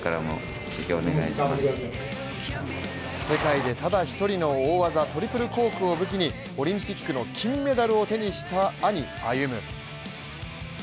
世界でただ１人の大技トリプルコークを武器にオリンピックの金メダルを手にした兄・歩夢。